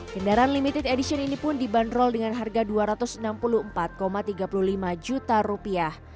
kendaraan limited edition ini pun dibanderol dengan harga dua ratus enam puluh empat tiga puluh lima juta rupiah